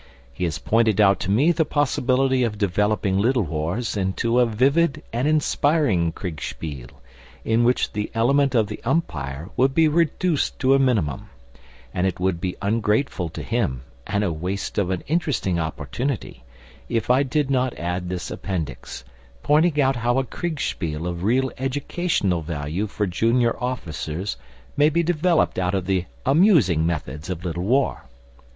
He has pointed out to me the possibility of developing Little Wars into a vivid and inspiring Kriegspiel, in which the element of the umpire would be reduced to a minimum; and it would be ungrateful to him, and a waste of an interesting opportunity, if I did not add this Appendix, pointing out how a Kriegspiel of real educational value for junior officers may be developed out of the amusing methods of Little War.